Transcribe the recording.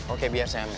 oke biar saya ambil